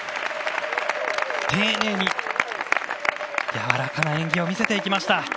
丁寧に柔らかな演技を見せてきました。